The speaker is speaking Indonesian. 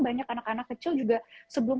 banyak anak anak kecil juga sebelum